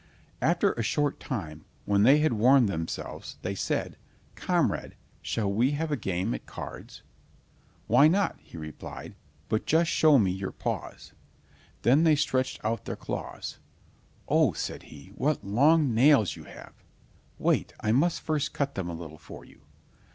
After a short time, when they had warmed themselves, they said: "Comrade, shall we have a game at cards?" "Why not?" he replied, "but just show me your paws. Then they stretched out their claws. "Oh," said he, "what long nails you have! Wait, I must first cut them a little for you."